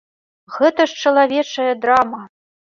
Гэта ж чалавечая драма!